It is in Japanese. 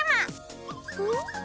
ん？